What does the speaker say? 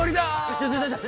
ちょちょちょ。